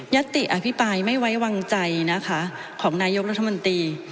ติอภิปรายไม่ไว้วางใจนะคะของนายกรัฐมนตรี